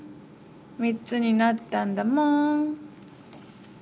３つになったんだもん』」。